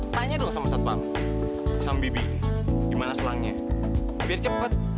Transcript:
tanya dong sama satpam sambibi gimana selangnya biar cepat